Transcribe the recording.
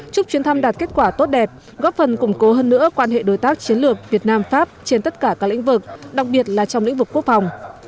chúc chuyến thăm đạt kết quả tốt đẹp góp phần củng cố hơn nữa quan hệ đối tác chiến lược việt nam pháp trên tất cả các lĩnh vực đặc biệt là trong lĩnh vực quốc phòng